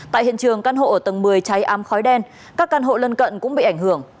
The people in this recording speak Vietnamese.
tại hiện trường căn hộ ở tầng một mươi cháy ám khói đen các căn hộ lân cận cũng bị ảnh hưởng